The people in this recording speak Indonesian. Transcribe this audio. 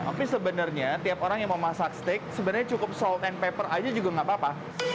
tapi sebenarnya tiap orang yang mau masak steak sebenarnya cukup salt and pepper aja juga nggak apa apa